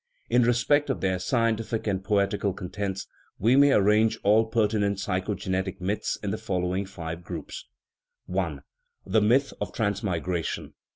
In respect of their scientific and poet ical contents, we may arrange all pertinent psychoge netic myths in the following five groups : I. The myth of transmigration.